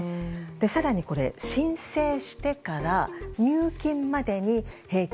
更にこれ、申請してから入金までに平均